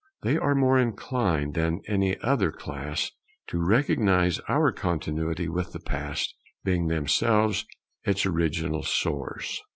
They are more inclined than any other class to recognize our continuity with the Past, being themselves its original source.